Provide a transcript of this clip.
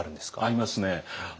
ありますね。